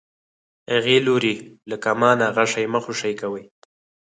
هغې لورې له کمانه غشی مه خوشی کوئ.